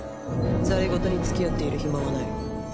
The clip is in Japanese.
戯れ言に付き合っている暇はない。